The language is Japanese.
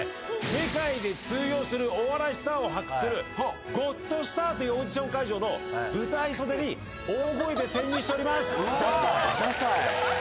世界で通用するお笑いスターを発掘するＧＯＤＳＴＡＲというオーディション会場の舞台袖に大声で潜入しております。